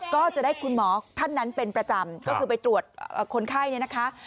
ก็จะได้คุณหมอท่านนั้นเป็นประจำก็คือไปตรวจคนไข้เนี่ยนะคะ